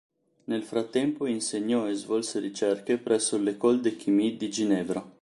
Nel frattempo insegnò e svolse ricerche presso l"'Ecole de Chimie" di Ginevra.